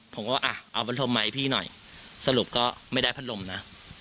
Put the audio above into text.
ผมก็อ่ะเอาพัดลมมาให้พี่หน่อยสรุปก็ไม่ได้พัดลมนะ